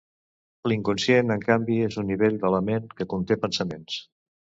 l'inconscient en canvi és un nivell de la ment que conté pensaments